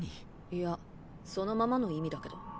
いやそのままの意味だけど。